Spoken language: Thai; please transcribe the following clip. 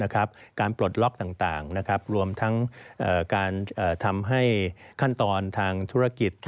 ปลดล็อกต่างรวมทั้งการทำให้ขั้นตอนทางธุรกิจ